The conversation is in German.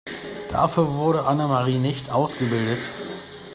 Dafür wurde Annemarie nicht ausgebildet.